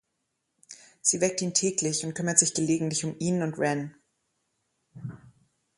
Sie weckt ihn täglich und kümmert sich gelegentlich um ihn und Ren.